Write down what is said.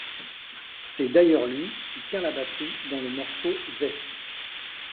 C'est d'ailleurs lui qui tient la batterie dans le morceau Zëss.